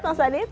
sehat mas adit